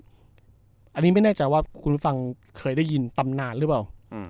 อันนี้ไม่แน่ใจว่าคุณฟังเคยได้ยินตำนานหรือเปล่า